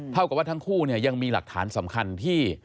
เท่ากับว่าทั้งคู่เนี่ยยังมีหลักฐานสำคัญที่